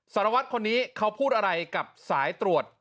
สารวัตรคนนี้เขาพูดอะไรกับสายตรวจ